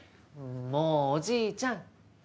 もうおじいちゃん